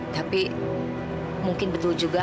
tapi mungkin betul juga